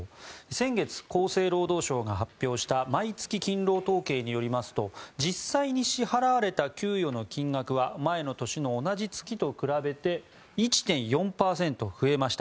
先月、厚生労働省が発表した毎月勤労統計によりますと実際に支払われた給与の金額は前の年の同じ月と比べて１．４％増えました。